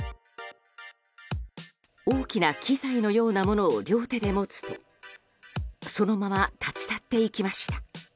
大きな機材のようなものを両手で持つとそのまま立ち去っていきました。